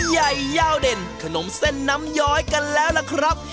ใหญ่ยาวเด่นขนมเส้นน้ำย้อยกันแล้วล่ะครับ